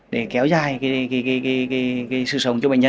để kéo dài cái sự sống